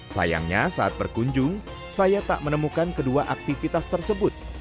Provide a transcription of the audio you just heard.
sayangnya saat berkunjung saya tak menemukan kedua aktivitas tersebut